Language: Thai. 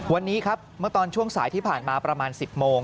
วันนี้ครับเมื่อตอนช่วงสายที่ผ่านมาประมาณ๑๐โมง